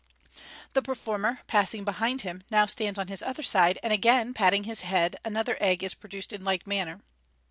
The performer, passing behind him, now stands on his other side, and again patting his head, another egg is produced in like manner.